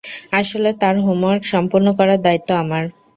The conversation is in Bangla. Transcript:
আসলে তার হোম ওয়ার্ক সম্পুর্ন করার দায়িত্ব আমার।